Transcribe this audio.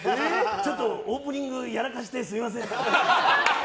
ちょっとオープニングやらかしてすいません。